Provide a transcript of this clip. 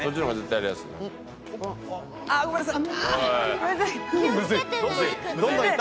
ああごめんなさい！